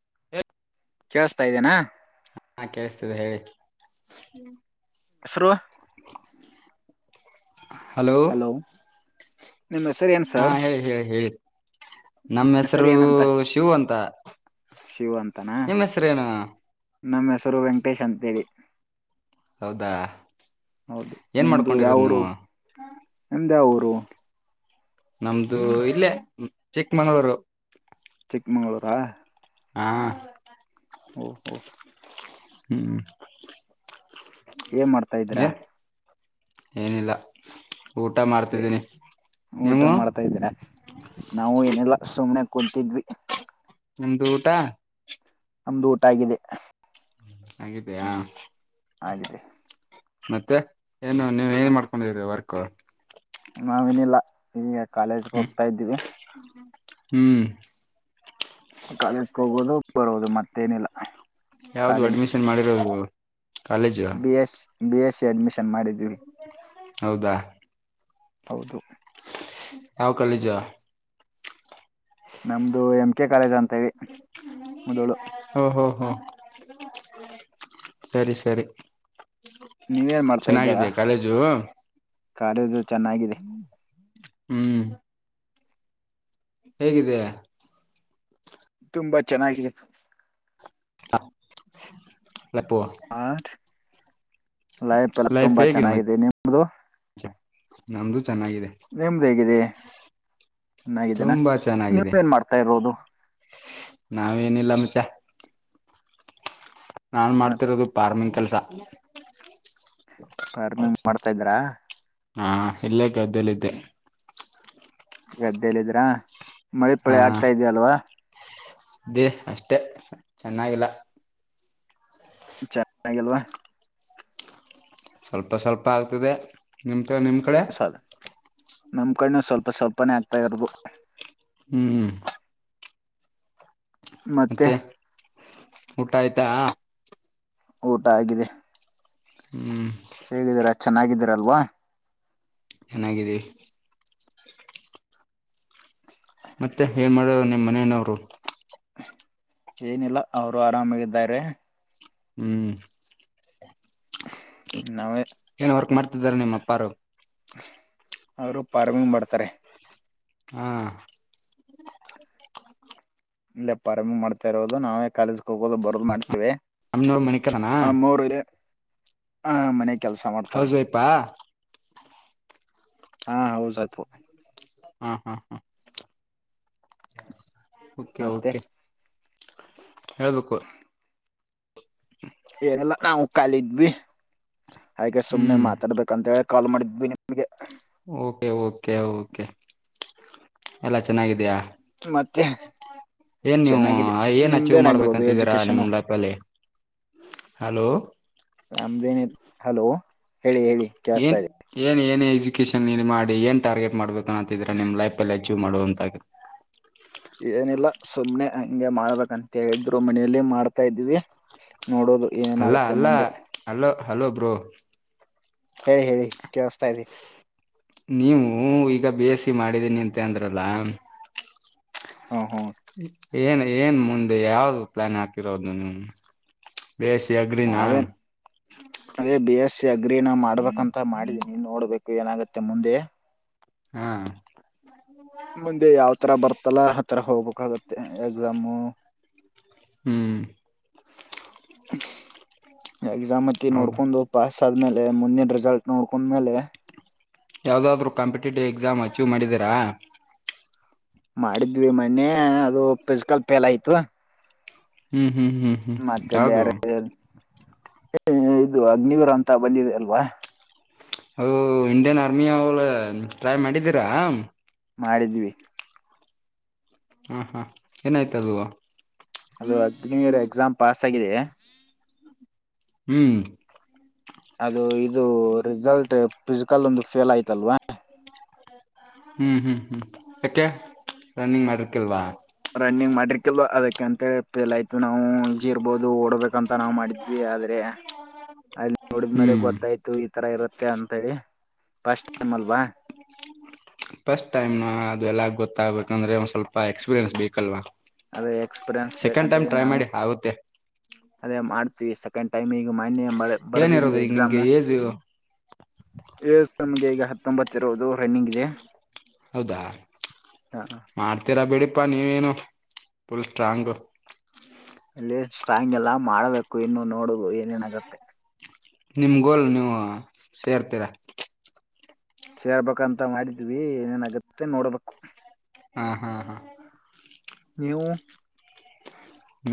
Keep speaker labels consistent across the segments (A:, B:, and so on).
A: [unintelligible]
B: ಕೇಳಸ್ತಾ ಇದ್ದೇನಾ
A: [unintelligible]
B: ಸುರುವಾ
A: ಹಲೋ
B: ನಿಮ್ ಹೆಸರು ಏನ್
A: ಹಾ
B: ಸರ್
A: ಹೇಳಿ ಹೇಳಿ ಹೇಳಿ ನಮ್ಮ ಹೆಸರು ಶಿವು ಅಂತ ನಿಮ್ಮ ಹೆಸರೇನು
B: ನಮ್ಮ ಹೆಸರು ವೆಂಕಟೇಶ್ ಅಂತೇಳಿ
A: ಹೌದಾ
B: ಹೌದು
A: ಏನ್
B: ನಿಮ್ದು
A: ಮಾಡ್ಕೊಂಡಿರೋದ್
B: ಯಾವೂರು
A: ನೀವು
B: ನಿಮ್ದು ಯಾವೂರು
A: ನಮ್ದು ಇಲ್ಲೇ ಚಿಕ್ಕಮಂಗಳೂರು
B: ಮಂಗಳೂರಾ
A: ಹ್ಮ
B: ಓ ಹೋ
A: ಹ್ಮ್
B: ಏನ್ ಮಾಡ್ತಾ ಇದ್ದೀರಾ
A: ಏನಿಲ್ಲಾ
B: ಎ ಊಟ ಮಾಡ್ತಾ ಇದೀರಾ ನಾವು ಏನಿಲ್ಲಾ ಸುಮ್ನೆ ಕುಂತಿದ್ವಿ
A: ನಿಮ್ದ ಊಟಾ
B: ನಮ್ದು ಊಟ ಆಗಿದೆ
A: ಆಗಿದ್ದೀಯಾ
B: ಆಗಿದೆ.
A: ಮತ್ತೆ ಏನು ನೀವು ಏನ್ ಮಾಡ್ಕೊಂಡಿದ್ದೀರಿ ವರ್ಕ್
B: ನಾವ ನಿಲ್ಲ ಈಗ ಕಾಲೇಜಗೆ ಹೋಗ್ತಾ ಇದ್ದೀವಿ
A: ಹ್ಮ್
B: ಕಾಲೇಜ್ಗೆ ಹೋಗೋದು ಬರೋದು ಮತ್ತೇನಿಲ್ಲಾ
A: ಯಾವ್ದ ಅಡ್ಮಿಷನ್ ಮಾಡಿರೋದು college
B: B S B S C admission ಮಾಡಿದ್ವಿ
A: ಹೌದಾ
B: ಹೌದು
A: ಯಾವ ಕಾಲೇಜು
B: ನಮ್ದು ಎಂ ಕೆ ಕಾಲೇಜ್ ಅಂತ ಹೇಳಿ ಮುದೋಳ
A: ಹೋ ಹೋ ಸರಿ ಸರಿ
B: ನೀವ್ ಏನ್ ಮಾಡ್ತಾ ಇದ್ದೀರಾ
A: ಚೆನ್ನಾಗಿದೆಯಾ ಕಾಲೇಜು
B: ಕಾಲೇಜ ಚೆನ್ನಾಗಿದೆ
A: ಹ್ಮ್ ಹೇಗಿದೆ
B: ತುಂಬಾ ಚೆನ್ನಾಗಿದೆ
A: ಹ ಅಲ್ಲಪ್ಪುವ [inaudible]
B: ಲೈಫ್ ಎಲ್ಲ ತುಂಬಾ
A: ಹೇಗಿದೆ
B: ಚೆನ್ನಾಗಿದೆ
A: ಮಚ್ಚ
B: ನಿಮ್ದು
A: ನಮ್ದು ಚೆನ್ನಾಗಿದೆ
B: ಚೆನ್ನಾಗಿದ್ದೀನಾ
A: ತುಂಬಾ
B: ನೀವು
A: ಚೆನ್ನಾಗಿದೆ
B: ಏನ್ ಮಾಡ್ತಾ ಇರೋದು
A: ನಾವೇನಿಲ್ಲ ಮಚ್ಚಾ ನಾನ್
B: ಮತ್
A: ಮಾಡ್ತಿರೋದು ಫಾರ್ಮಿಂಗ್ ಕೆಲಸ
B: ಫಾರ್ಮಿಂಗ್ ಮಾಡ್ತಾ ಇದ್ರಾ
A: ಹಾ ಇಲ್ಲೇ ಗದ್ದಲ್ಲಿದ್ದೆ
B: ಗದ್ದಲ್ಲಿದ್ದೀರಾ ಮಳೆ ಪಳೆ ಆಗ್ತಾ ಇದೆ ಅಲ್ವಾ
A: ದೇ ಅಷ್ಟೆ ಚೆನ್ನಾಗಿಲ್ಲ
B: ಚಾಗಲ್ವಾ [inaudible]
A: ಸ್ವಲ್ಪ ಸ್ವಲ್ಪ ಆಗ್ತದೆ ನಿಮತ್ ನಿಮ್ ಕಡೆ
B: ಸಾಲ ನಮ್ ಕಣೂ ಸ್ವಲ್ಪ ಸ್ವಲ್ಪನೆೇ ಆಗ್ತಾ ಇರದು
A: ಹ್ಮ್್ಮ
B: ಮತ್ತೆ
A: ಊಟ ಆಯ್ತಾ
B: ಊಟ ಆಗಿದೆ
A: ಹ್ಮ್
B: ಹೇಗಿದ್ದೀರಾ ಚೆನ್ನಾಗಿದ್ದೀರಲ್ವಾ
A: ಚೆನ್ನಾಗಿದ್ದೀ ಮತ್ತೆ ಏನ್ ಮಾಡದು ನಿಮ್ಮ್ ಮನೇನವರು
B: ಏನಿಲ್ಲ ಅವರು ಆರಾಮಾಗಾರೆ
A: ಹ್ಮ್
B: ನವೇ
A: ಏನ್ ವರ್ಕ್ ಮಾಡ್ತಿದಿದ್ದಾರೆ ನಿಮ್ಮ ಅಪ್ಪಾರ
B: ಅವರು ಫಾರ್ಮಿಂಗ್ ಮಾಡ್ತಾರೆ
A: ಹ್ಮ
B: ಇಲ್ಲ ಪಾರಾಮಿಂಗ್ ಮಾಡ್ತಾ ಇರೋದು ನಾವೇ ಕಾಲೇಜಕ್ ಹೋಗೋದು ಬರಲ್ ಮಾಡ್ತೇವಿ
A: ಹನೂರು ಮಣಿಕದನಾ
B: ಹ ಮನೆ ಕೆಲ್ಸ ಮಾಡ್ತಾರೆ
A: ಹೌದುಯಪಾ
B: ಹಾ ಹೌ ಸತ್
A: ಹಾ ಹಾ ಹಾ
B: ಮತ್ತೆ
A: ೆೆ ಹೇಳ್ಬೇಕು
B: ಏಗೆಲ್ಲ ನಾವು ಕಾಲಿದ್ವಿ ಹಾಗೆ ಸುಮ್ನೆ
A: ಹ್ಮ್
B: ಮಾತಾಡ್ಬೇಕಂತ ಹೇಳ ಕಾಲ್ ಮಾಡಿದ್ವಿಮಗೆ
A: ಓಕೆ ಓಕೆ ಕೆ ಎಲ್ಲಾ ಚೆನ್ನಾಗಿದಯಾ
B: ಮತ್ತೆ
A: ಏನ್ ನೀವು
B: ಚೆನ್ನಾಗಿದೆ
A: ಏನ್ ಅಚೀವ್
B: ನಿಮ್ದೇನಾಗಿರೋದು
A: ಮಾಡ್ಬೇಕಂತಿದ್ದೀರಾ
B: ಎಜುಕೇಶನ್
A: ನಿಮ್ ಲೈಪಲ್ಲಿ ಹಲೋ
B: ರಾಮದೇನ ಹಲೋ ಹೇಳಿ ಹೇಳಿ ಕೇಳಸ್ತಾ
A: ಏನ್
B: ಇದೆ
A: ಏನ್ ಏನ್ ಎಜುಕನ್ಲ್ಲಿ ಮಾಡಿ ಏನ್ ಟಾರ್ಟ್ ಮಾಡ್ಬೇಕು ಅನ್ನಿದ್ರ ನಿಮ್ ಲೈಫ ಅಲ್ಲಿ ಅಚೀವ್ ಮಾಡುವಂತುತ್ತೆ
B: ಏನಿಲ್ಲ ಸುಮ್ನೆ ಹಿಂಗೆ ಮಾಡ್ಬೇಕಂತೇಳಿದ್ರು ಮನೆಯಲ್ಲಿ ಮಾಡ್ತಾ್ದೀವಿ ನೋಡದು
A: ಅಲ್ಲ
B: ಏನೇನಾಗುತ್ತೆ
A: ಅಲ್ಲ
B: ಮುಂದೆ
A: ಹಲೋ ಹಲೋ ಬ್ರೋ
B: ಹೇಳಿ ಹೇಳಿ ಕೇಳಸ್ತಾ ಇಿ
A: ನೀವು ಈಗ ಬಿ ಎಸ್ ಸಿ ಮಾಡಿದೀನಿ ಅಂತೆ ಅಂದ್ರಲ್ಲ
B: ಹಾ ಹಾ
A: ಏನ್ ಏನ್ ಮುಂದೆ ಯಾವ್ದು ಪ್ಲಾನ್ ಹಾಕಿರೋದು ನೀವು ಬಿ ಎಸ್ ಸಿ ಅಗ್ರಿನಾ
B: ನಾವೇ ಅ ಬಸ್ ಅಗ್ರನ ಮಾಡ್ಬೇಕಂತ ಮಾಡಿದೀನಿ ನೋಡ್ಬೇಕು ಏನಾಗುತ್ತೆ ಮುಂದೆ
A: ಹಾ
B: ಮುಂದೆ ಯಾವ್ ತರ ಬರ್ತಲ್ಲ ಆ ತರ ಹೋಗ್ಬೇಕಾಗತ್ತೆ ಎಕ್ಸಾಮು
A: ಹ್ಮ್
B: ಎಕ್ಸಾಮ್ ಹತ್ತ
A: ಹೌದು
B: ನೋಡ್ಕೊಂಡು ಪಾಸ್ ಆದ್ಮೇಲೆ ಮುಂದಿನ ರೆಸಲ್ಟ್ ನೋಡ್ಕೊಂಡ್ಮೇಲೆ
A: ಯಾವುದಾದ್ರರು ಕಾಂಪಿಟೇಟಿವ್ ಎಕ್ಸಾಮ್ ಅಚೀವ್ ಮಾಡಿದೀರಾ
B: ಮಾಡಿದ್ವಿ ಮೊನ್ನೆ ಅದು ಫಿಸಿಕಲ್ ಪೇಲ್ ಆಯ್ತು
A: ಹ್ಮ್ ಹ್ಮ್ ಹ್ಮ್ ಹ್ಮ್ ಯಾವ್ದು
B: ಹ ಇದು ಅಗ್ನಿವರ ಅಂತ ಬಂದಿದೆ ಅಲ್ವಾ
A: ಅ ಇಂಡಿಯನ್ ಆರ್ಮಿ ಅವಳ ಟ್ರೈ ಮಾಡಿದ್ದೀರಾ
B: ಮಾಡಿದ್ವಿ
A: ಹಾ ಹಾ ಏನಾಯ್ತ ಅದುವ
B: ಅದು ಹದಿನ ಎಕ್ಸಾಮ್ ಪಾಸ್ ಆಗಿದೆ
A: ಹ್ಮ್
B: ಅದು ಇದು ರಿಸಲ್ಟ್ ಫಿಸಿಕಲ್ ಒಂದು ಫೇಲ್ ಆಯ್ತಲ್ವಾ
A: ಹ್ಮ್ ಹ್ಮ್ ಹ್ಮ್ ಯಾಕೆ ರನ್ನಿಂಗ್ ಮಾಡರ್ಕಲ್ವಾ
B: ರನ್ನಿಂಗ್ ಮಾಡ್ರಿ ಕೆಲ್ ಅದಕ್ಕ ಅಂತ ಪ ಎಲ್ ಆಯ್ತು ನಾವು ಇಜಿ ಇರ್ಬೋದು ಓಡ್ಬೇಕಂತ ನಾವವು ಮಾಡಿದ್ವಿ ಆದ್ರೆ ಅ ನೋಡಿದ್ಮೇಲೆ
A: ಹ್ಮ್
B: ಗೊತ್ತಾಯ್ತು ಈತರ ಇರುತ್ತೆ ಅಂಂತೇಳಿ ಫಸ್ಟ್ ಟೈಮ್ ಅಲ್ವಾ
A: ಫಸ್ಟ್ ಟೈಮ್ ನ ಅದು ಎಲ್ಲ ಗೊತ್ತಾಗ್ಬೇಕುಂದ್ರೆ ಒಂದ್ ಸ್ವಲ್ಪ ಎಕ್ಸ್ಪೀರಿಯೆನ್ಸ್ ಬೇಕಲ್ವಾ
B: ಅದೇ ಎಕ್ಸ್ಪೀರಿನ್ಸ್
A: ಸೆಕೆಂಡ್
B: ಬೇಕಂತ
A: ಟೈಮ್
B: ಹೇಳಿ
A: ಟ್ರೈ
B: ನಾವು
A: ಮಾಡಿ ಆಗುತ್ತೆ
B: ಅದೇ ಮಾಡ್ ಸೆಕೆಂಡ್ ಟೈಮ್ ಈಗ ಮನ್ಯ ಬರ್ದಿದ್ವಿ
A: ಏನಿರೋದು ಈಗ ನಿಮ್ಗೆ
B: ಎಕ್ಸಾಮು
A: ಏಜ್
B: ಎಎಸ್ಎಮ್ಗೆ ಈಗ ಹತ್ತೊಂಬತ್ತಿರುವುದು ರನ್ನಿಂಗ್ ಇದೆ
A: ಹೌದಾ ಮಾಡ್ತೀರಾ ಬಿಡಿ ಪ್ಪಾ ನೀವೇನು ಫುಲ್ ಸ್ಟ್ರಾಂಗು
B: ಅಲ್ಲಿ ಸ್ಟಾಂಗ್ ಎಲ್ಲ ಮಾಡ್ಬೇಕು ಇನ್ನು ನೋಡುದು ಏನೇನಗತ್ತೆ
A: ನಿಮ್ಗೋಲ್ ನೀವು ಸೇರ್ತೀರ
B: ಸೇರ್ಬೇಕಂತ ಮಾಡಿದ್ವಿ ಏನೇನಗತ್ತೆ ನೋಡ್ಬೇಕು
A: ಹ್ಮ್ ಹ್ಮ್ ಹ್ಮ್
B: ನೀವು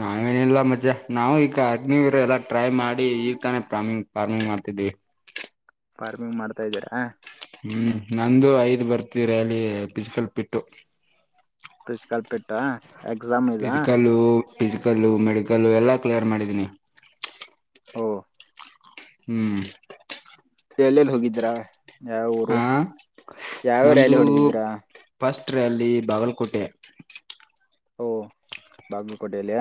A: ನಾವೇನಿಲ್ಲ ಮಜೆ ನಾ್ ಈಗ ಅಗ್ನಿವರ ಎಲ್ಲಾ ಟ್ರೈ ಮಾಡಿ ಇರ್ತಾನೆ ರಾರ್ಮಿಂಗ್ ಫಾರ್ಮಿಂಗ್ ಮಾಡ್
B: ಫಾರ್ಮಿಂಗ್ ಮಾಡ್ತಾ ಇದ್ದೀರಾ
A: ಹ್ಮ್ ನಂದು ಐದ್ ಬರ್ತಿ ರ್ಯಾಲಿ ಪಿಸ್ಕಲ್ ಬಿಟ್ಟು
B: ಫಿಸಿಕಲ್ ಪೆಟ್ಟಾ ಎಕ್ಸಾಮ್ ಇದದಾ
A: ಫಿಸಿಕಲ್ಲ ಮೆಡಿಕಲ್ಲು ಎಲ್ಲಾ ಕ್ಲಿಯರ್ ಮಾಡಿದೀನಿ
B: ಹಓ
A: ಹ್ಮ್
B: ಎಲ್ಲಿಲ್ಲಿ ಹೋಗಿದ್ರಾ ಯಾವ ಊರು
A: ಹ
B: ಯಾವ
A: ನಂದು
B: ರ್ಯಾಲಿ ಹೊಡೆದಿದ್ರ
A: ಫಸ್ಟ್ ಅಲ್ಲಿ ಬಾಗಲಕೋಟೆ
B: ಬಾಗಲಕೋಟೆಲ್ಲಿ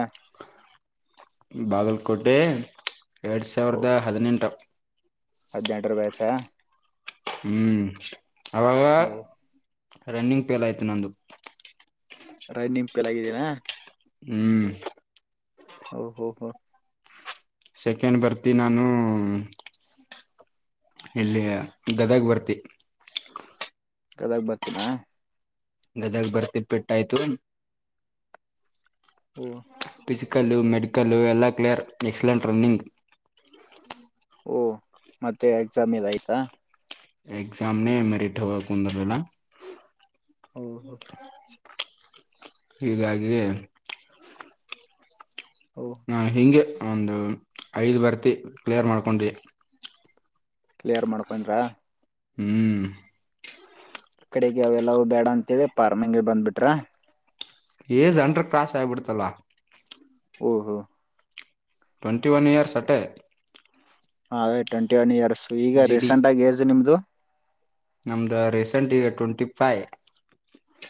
A: ಬಾಗಲ್ಕೋಟೆ ಎರಡ್ ಸಾವಿರದ ಹದಿನೆಂಟು
B: ಹದಿನೆಂಟು ರೂಪಾಯಿ ಹೆಚ್ಚ
A: ಹ್ಮ್ ಅವಾಗ
B: ಓ
A: ರನ್ನಿಂಗ್ ಪೇಲ್ ಆಯ್ತು ನಂದು
B: ರೈ ನಿಂಪೆಲ್ಲಗಿದ್ದೀನಾ.
A: ಹ್ಮ್
B: ಓ ಹೋ ಹೋ.
A: ಸೆಕೆಂಡ್ ಬರ್ತಿ ನಾನು. ಎಲ್ಲಿಗ ಗದಗ್ ಬರ್ತಿ.
B: ಗದಗ ಬರ್ತೀನಾ.
A: ಗದಗ್ ಬರ್ತಿ ಪೆಟ್ಟಾಯ್ತು.
B: ಓ
A: ಫಿಜಿಕಲ್ಲು ಮೆಡಿಕಲ್ಲು ಎಲ್ಲ ಕ್ಲಿಯರ್ ಎಕ್ಸಲೆಂಟ್ ರನ್ನಿಂಗ್.
B: ಓ ಮತ್ತೆ ಎಕ್ಸಾಮ್ [unintelligible] ಇಲ್ಲ ಆಯ್ತಾ.
A: ಎಕ್ಸಾಮನೆ ಮೆರಿಟ್ ಹೋಗಕ್ ಕುಂದರಲಿಲ್ಲ.
B: ಓ
A: ಹೀಗಾಗಿದೆ.
B: ಓ
A: ನಾನ್ ಹಿಂಗೆ ಒಂದು ಐದ್ ಬರ್ತಿ ಕ್ಲಿಯರ್ ಮಾಡ್ಕೊಂಡಿ.
B: ಕ್ಲಿಯರ್ ಮಾಡ್ಕೊಂದ್ರ.
A: ಹ್ಮ್
B: ಕಡೆಗೆ ಅವೆಲ್ಲವು ಬ್ಯಾಡ ಅಂತೆಳಿ ಫಾರ್ಮಿಂಗೆ ಬಂದ್ಬಿಟ್ರ.
A: Age ಅಂಡ್ರ cross ಆಗಬಿಡ್ತಲ್ಲ.
B: ಓ ಹೋ
A: ಟ್ವಂಟಿ ಒನ್ ಇಯರ್ಸ್ ಅಟ್ಟೆ.
B: ಹದೇ [unintelligible] ಟ್ವೆಂಟಿ ಒನ್ ಇಯರ್ಸು ಈಗ
A: ಡಿ
B: ರೀಸೆಂಟ್ ಆಗಿ ಏಜ್ ನಿಮ್ದು.
A: ನಮ್ದ ರೀಸೆಂಟ್ ಈಗ twenty five.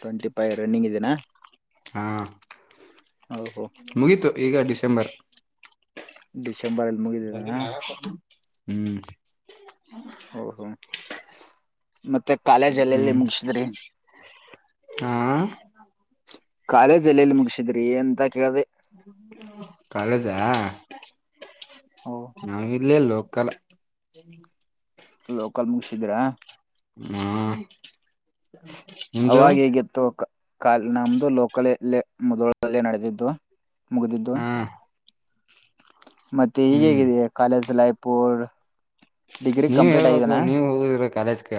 B: Twenty five running ಇದೆನಾ.
A: ಹಾ
B: ಹೌ ಹೊ
A: ಮುಗೀತು ಈಗ ಡಿಸೆಂಬರ್.
B: ಡಿಸೆಂಬರಲ್ಲಿ ಮುಗಿದೀದೇನಾ.
A: ಹ್ಮ್
B: ಓ ಹೋ ಮತ್ತೆ ಕಾಲೇಜಲೆಲ್ಲಿ
A: ಹ್ಮ್
B: ಮುಗಸಿದ್ರಿ.
A: ಹಾ
B: ಕಾಲೇಜ್ ಎಲ್ಲ ಎಲ್ಲಿ ಮುಗಸಿದ್ರಿ ಅಂತ ಕೇಳ್ದೆ.
A: ಕಾಲೇಜಾ
B: ಓ
A: ನಾವ ಇಲ್ಲೇ ಲೋಕಲ್.
B: ಲೋಕಲ್ ಮುಗಸಿದ್ರಾ.
A: ಹ್ಮ
B: ಅವಾಗ ಹೇಗಿತ್ತು ಕ ಕಲ್ ನಮ್ದು ಲೋಕಲೆ ಲೆ ಮುದೋಳದಲ್ಲೇ ನಡೆದಿದ್ದು ಮುಗಿದಿದ್ದು.
A: ಹಾ
B: ಮತ್ತೆ ಹೀಗ
A: ಹ್ಮ್
B: ಹೇಗಿದೆ ಕಾಲೇಜ ಲಾಯ್ಪು ರ್
A: ನೀವ್ ಹೇಳ್ಬೇಕು ನೀವ ಹೋಗುದಿರ ಕಾಲೇಜಕ.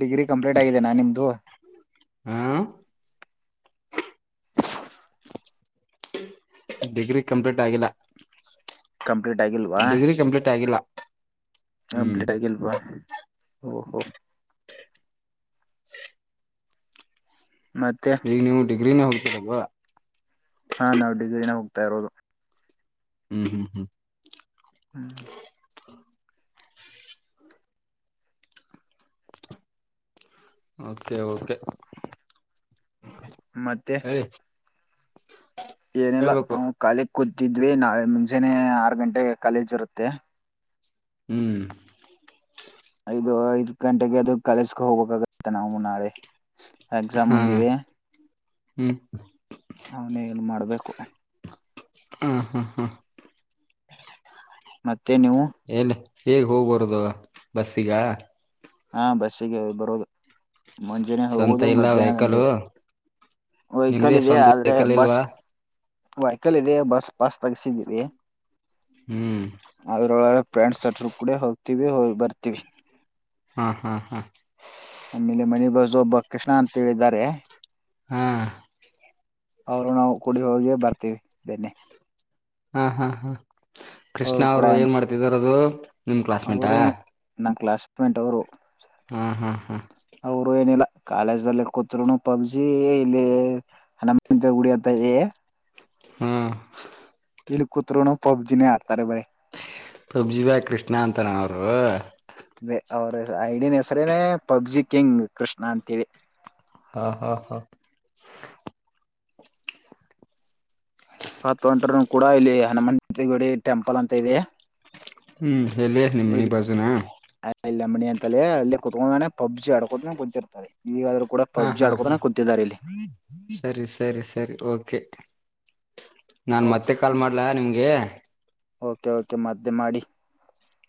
B: ಡಿಗ್ರಿ ಕಂಪ್ಲೀಟ್ ಆಗಿದೆನಾ ನಿಮ್ದು.
A: ಹ ಡಿಗ್ರಿ ಕಂಪ್ಲೀಟ್ ಆಗಿಲ್ಲ.
B: ಕಂಪ್ಲೀಟ್
A: ಡಿಗ್ರಿ ಕಂಪ್ಲೀಟ್ ಆಗಿಲ್ಲ. ಹ್ಮ್
B: ಕಂಪ್ಲಿಟ್ ಆಗಿಲ್ವ ಓಹೋ. ಮತ್ತೆ
A: ಈಗ ನೀವು ಡಿಗ್ರಿನೇ ಹೋಗ್ತಿರಲ್ವಾ.
B: ಹಾ ನಾವ್ ಡಿಗ್ರಿನ ಹೋಗ್ತಾ ಇರೋದು.
A: ಹ್ಮ್ ಹ್ಮ್ ಹ್ಮ್
B: ಹ್ಮ್
A: ಓಕೆ ಓಕೆ.
B: ಮತ್ತೆ
A: ಹೇಳಿ [inaudible]
B: ಏನಿಲ್ಲ
A: ಹೇಳ್ಬೇಕು
B: ಕಾಲಿ ಕೂತಿದ್ವಿ ನಾಳೆ ಮುಂಜಾನೇ ಆರ ಗಂಟೆಗೆ ಕಾಲೇಜ್ ಇರುತ್ತೆ.
A: ಹ್ಮ್
B: ಐದು ಐದ್ ಗಂಟೆಗೆ ಅದು ಕಳಸ್ಕ ಹೋಗ್ಬೇಕಾಗತ್ತೆ ನಾವು ನಾಳೆ. ಎಕ್ಸಾಮ್
A: ಹಾ
B: ಮುಂದಿದೆ.
A: ಹ್ಮ್
B: ಅವನ ಏನ್ ಮಾಡ್ಬೇಕು.
A: ಹ್ಮ್ ಹ್ಮ್ ಹ್ಮ್
B: ಮತ್ತೆ ನೀವು‌
A: ಎಲ್ಲಿ ಹೇಗ್ ಹೋಗ್ಬಾರದು ಬಸ್ಸಿಗ.
B: ಹಾ ಬಸ್ಸಿಗೆ ಬರೋದು ಮುಂಜಾನೆ
A: ಸ್ವಂತ
B: ಹೋಗುವುದು
A: ಇಲ್ಲ
B: ಮಧ್ಯಾಹ್ನ
A: ವೆಹಿಕಲ್
B: ಗಂಟೆ. ವಹಿಕಲ್
A: ನಿಮ್ದೇ
B: ಇದೆ
A: ಸ್ವಂತ
B: ಆದ್ರೆ
A: ವೆಹಿಕಲ್
B: ಬಸ್.
A: ಇಲ್ವಾ
B: ವೈಕಲ್ ಇದೆ ಬಸ್ ಪಾಸ್ ತಗಸಿದೀವಿ.
A: ಹ್ಮ್
B: ಪ್ಯಾಂಟ್ ಶರ್ಟ್ ಕೂಡ ಹೋಗ್ತೀವಿ ಹೋಗ್ ಬರ್ತೀವಿ.
A: ಹಾ ಹಾ ಹಾ
B: ಓಬ್ಬ ಕೃಷ್ಣ ಅಂತ ಹೇಳಿ ಇದರೆ.
A: ಹಾ
B: ಅವರು ನಾವು ಕುಡಿಹೋಗಿ ಬರ್ತೀವಿ ಬೆನ್ನೆ.
A: ಹಾ ಹಾ ಹಾ ಕೃಷ್ಣ ಅವರು ಏನ್ ಮಾಡ್ತಿದಾರ ಅದು.
B: ಅವರೇನು ನನ್ನ್ ಕ್ಲಾಸ್ಮೇಟ್ ಅವರು.
A: ಹ್ಮ ಹ್ಮ್ ಹ್ಮ್
B: ಅವರು ಏನಿಲ್ಲ ಕಾಲೇಜ್ ಅಲ್ಲಿ ಕೂತ್ರುನು ಪಬ್ಜಿ ಇಲ್ಲಿ ಹಣ ಗುಡಿಯತ್ತ.
A: ಹ್ಮ್
B: ಇಲ್ಲಿ ಕೂತ್ರುನು ಪಬ್ಜಿನೇ ಆಡ್ತಾರೆ ಬರೀ.
A: ಪಬ್ಜಿ ಕೃಷ್ಣ ಅಂತಾರ ಅವರು.
B: ಐಡಿನ್ ಹೆಸರೇನೆ ಪಬ್ಜಿ ಕಿಂಗ್ ಕೃಷ್ಣ ಅಂತ ಹೇಳಿ.
A: ಹಾ ಹಾ ಹಾ
B: ಹತೊಂಟ್ರು ಕೂಡ ಇಲ್ಲಿ ಹನುಮಂತಗಡಿ ಟೆಂಪಲ್ ಅಂತ ಇದೆ.
A: ಹ್ಮ್ ಎಲ್ಲಿ ನಿಮ್ಮನಿ ಬಾಜುನ.
B: ಅಲ್ಲಿ ಮಣಿ ಅಂತಲೇ ಅಲ್ಲಿ ಕುತ್ಕೊಂಡಾನೆ ಪಬ್ಜಿ ಆಡಕೋದೆ ಕುಂತೀರ್ಥನೆ.
A: ಹಾ ಹಾ ಹಾ ಸರಿ ಸರಿ ಸರಿ ಕಓಕೆ ನಾನ್ ಮತ್ತೆ
B: ಓಕೆ
A: ಕಾಲ್ ಮಾಡ್ಲ ನಿಮ್ಗೆ.
B: ಓಕೆ ಓಕೆ ಮತ್ತೆ ಮಾಡಿ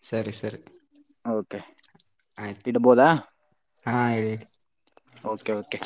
A: ಸರಿ ಸರಿ
B: ಓಕೆ
A: ಆಯ್ತು
B: ಇಡ್ಬೋದಾ
A: ಹಾ ಇಡೀ
B: ಓಕೆ ಓಕೆ